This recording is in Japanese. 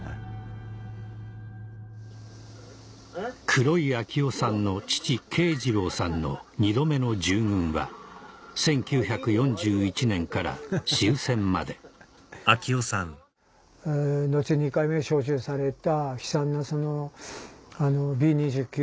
黒井秋夫さんの父慶次郎さんの２度目の従軍は１９４１年から終戦まで後２回目招集された。